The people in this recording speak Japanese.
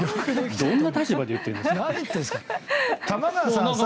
どんな立場で言ってるんですか。